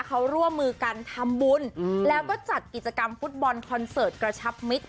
เขาร่วมมือกันทำบุญแล้วก็จัดกิจกรรมฟุตบอลคอนเสิร์ตกระชับมิตร